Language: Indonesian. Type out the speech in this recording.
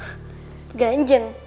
kapan gue ganjenan